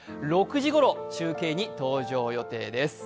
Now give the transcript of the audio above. ６時ごろ中継に登場予定です。